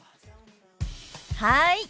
はい！